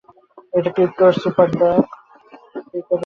এটা Krypto the Superdog.